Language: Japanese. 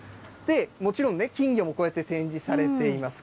もちろん金魚もこうやって展示されています。